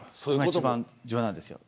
今、一番重要なんですよ。